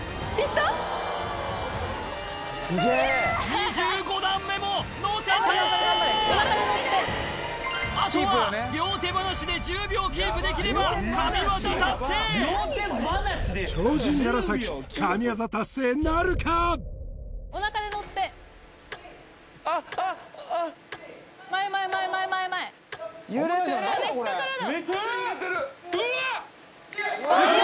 ２５段目ものせたあとは両手放しで１０秒キープできれば神業達成超人楢神業達成なるかおなかで乗って前前前前前前・７８９１０！